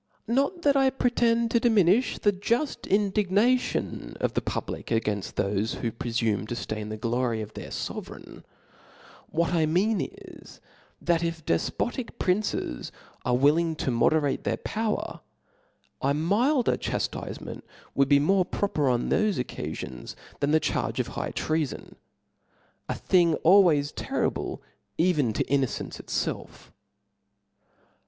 Not that I pretend %o diminiOi the juft indig^^ nation of the public againfl: thofe who prefume to ftain the glory of their fovereign ; what I mean is, that if defpotic princes are willing to moderate their power, a milder chaftifcment would be more proper on thofe occafions, than the charge of high treafon, a thing always terrible even to innocence itfelf*.